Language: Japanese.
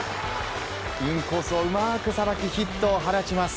インコースをうまくさばきヒットを放ちます。